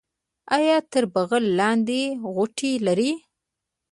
ایا تر بغل لاندې غوټې لرئ؟